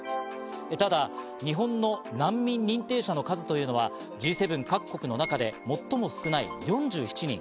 ただ日本の難民認定者の数というのは、Ｇ７各国の中で最も少ない４７人。